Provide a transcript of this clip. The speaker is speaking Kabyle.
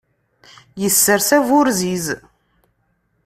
Yessers aburziz.